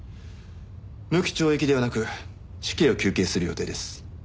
無期懲役ではなく死刑を求刑する予定です。